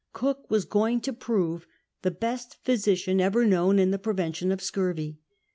Cook was going to prove the best physician ever known in the prevention of scurvy.